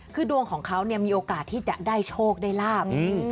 คือดวงของเขามีโอกาสที่จะได้โชคได้ลาบ